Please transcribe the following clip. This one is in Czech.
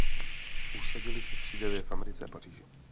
Usadili se střídavě v Americe a Paříži.